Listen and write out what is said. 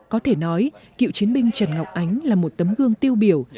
có thể nói cựu chiến binh trần ngọc ánh là một tấm gương tiêu biểu